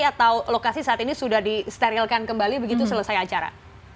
atau lokasi saat ini sudah disterilkan kembali begitu selesai acara